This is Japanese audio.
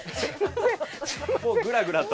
もうグラグラと。